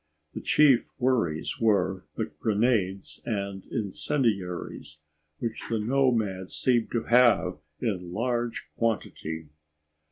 The chief worries were the grenades and incendiaries, which the nomads seemed to have in large quantity.